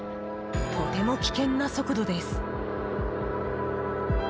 とても危険な速度です。